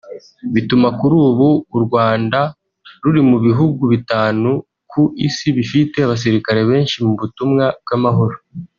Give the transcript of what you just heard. bituma kuri ubu u Rwanda ruri mu bihugu bitanu ku isi bifite abasirikare benshi mu butumwa bw’amahoro